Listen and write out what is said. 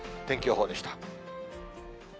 天気予報でした。